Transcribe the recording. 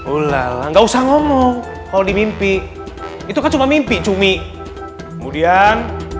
ulang lah nggak usah ngomong kalau di mimpi itu kan cuma mimpi cumi kemudian